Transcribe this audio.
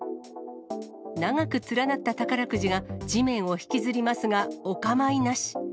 長く連なった宝くじが地面を引きずりますがお構いなし。